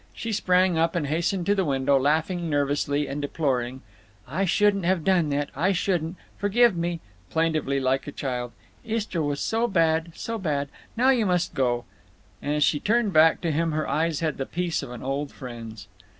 She sprang up, and hastened to the window, laughing nervously, and deploring: "I shouldn't have done that! I shouldn't! Forgive me!" Plaintively, like a child: "Istra was so bad, so bad. Now you must go." As she turned back to him her eyes had the peace of an old friend's.